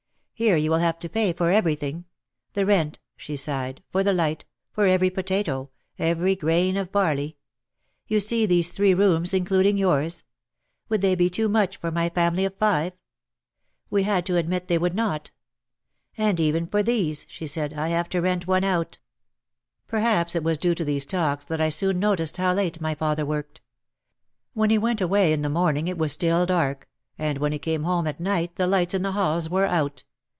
Here you will have to pay for everything; the rent!" she sighed, "for the light, for every potato, every grain of barley. You see these three rooms, including yours? Would they be too much for my family of five?" We had to admit they would not. "And even from these," she said, "I have to rent one 74 OUT OF THE SHADOW Perhaps it was due to these talks that I soon noticed how late my father worked. When he went away in the morning it was still dark, and when he came home at night the lights in the halls were out.